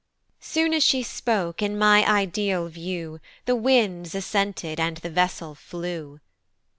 Soon as she spoke in my ideal view The winds assented, and the vessel flew.